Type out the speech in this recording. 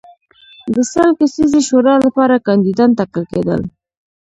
د سل کسیزې شورا لپاره کاندیدان ټاکل کېدل.